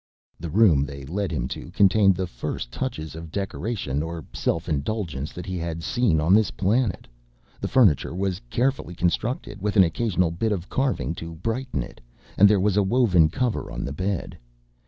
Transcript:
The room they led him to contained the first touches of decoration or self indulgence that he had seen on this planet. The furniture was carefully constructed, with an occasional bit of carving to brighten it, and there was a woven cover on the bed.